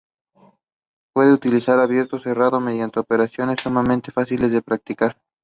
Puede utilizarse abierto o cerrado, mediante operaciones sumamente fáciles de practicar.